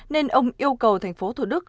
nên ông yêu cầu thành phố thủ đức